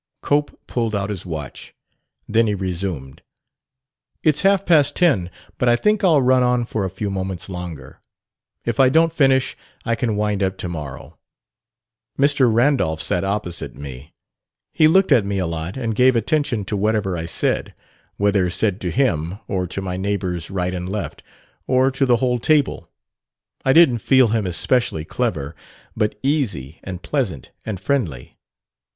Cope pulled out his watch. Then he resumed. "It's half past ten, but I think I'll run on for a few moments longer. If I don't finish, I can wind up to morrow. Mr. Randolph sat opposite me. He looked at me a lot and gave attention to whatever I said whether said to him, or to my neighbors right and left, or to the whole table. I didn't feel him especially clever, but easy and pleasant and friendly.